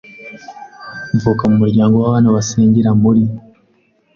mvuka mu muryango w’abantu basengera muri